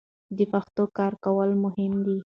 د پښتو کره کول مهم دي